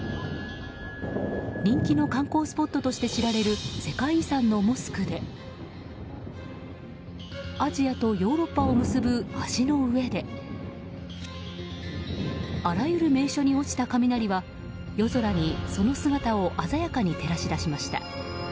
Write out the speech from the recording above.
人気の観光スポットとして知られる、世界遺産のモスクでアジアとヨーロッパを結ぶ橋の上であらゆる名所に落ちた雷は夜空にその姿を鮮やかに照らしました。